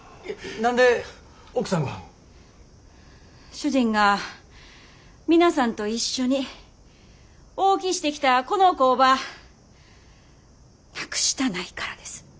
主人が皆さんと一緒に大きしてきたこの工場なくしたないからです。